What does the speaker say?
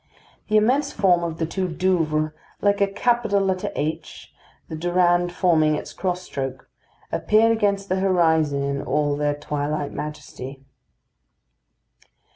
The immense form of the two Douvres, like a capital letter H, the Durande forming its cross stroke, appeared against the horizon in all their twilight majesty.